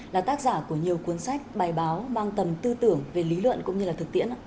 là tác giả của nhiều cuốn sách bài báo mang tầm tư tưởng về lý luận cũng như là thực tiễn